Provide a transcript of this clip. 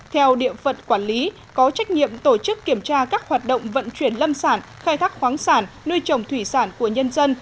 theo địa phận quản lý có trách nhiệm tổ chức kiểm tra các hoạt động vận chuyển lâm sản khai thác khoáng sản nuôi trồng thủy sản của nhân dân